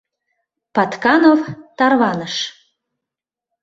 Патканов тарваныш.